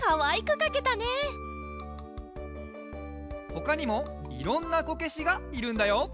ほかにもいろんなこけしがいるんだよ。